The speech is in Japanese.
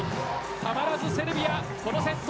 たまらずセルビアこのセット